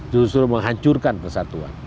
justru menghancurkan persatuan